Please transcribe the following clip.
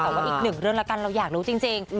แต่ว่าอีกหนึ่งเรื่องแล้วกันเราอยากรู้จริง